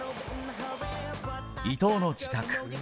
伊東の自宅。